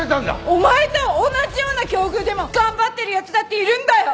お前と同じような境遇でも頑張ってる奴だっているんだよ！